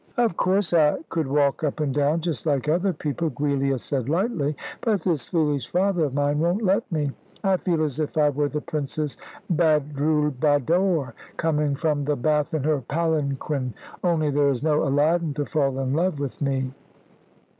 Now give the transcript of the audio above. "Of course I could walk up and down just like other people," Giulia said lightly; "but this foolish father of mine won't let me. I feel as if I were the Princess Badroulbadore, coming from the bath in her palanquin; only there is no Aladdin to fall in love with me."